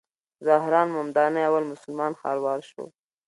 زهران ممداني اول مسلمان ښاروال شو.